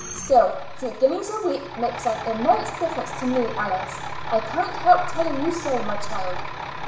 Still, three guineas a week makes an immense difference to me, Alice. I can't help telling you so, my child."